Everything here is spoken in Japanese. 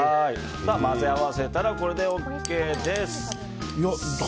混ぜ合わせたらこれでＯＫです。